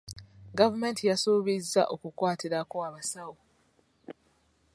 Gavumenti yasubizza okukwatirako abasawo.